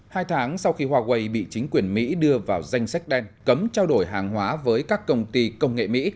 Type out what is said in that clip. hai tháng sau khi huawei bị chính quyền mỹ đưa vào danh sách đen cấm trao đổi hàng hóa với các công ty công nghệ mỹ